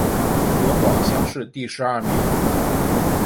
湖广乡试第十二名。